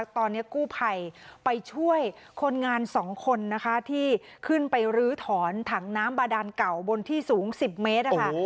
ตอนนี้กู้ภัยไปช่วยคนงาน๒คนนะคะที่ขึ้นไปรื้อถอนถังน้ำบาดานเก่าบนที่สูง๑๐เมตรนะคะ